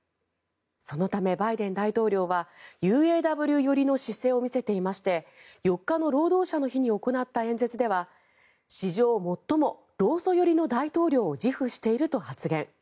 そのため、バイデン大統領はＵＡＷ寄りの姿勢を見せていまして４日の労働者の日に行った演説では史上最も労組寄りの大統領を自負していると発言。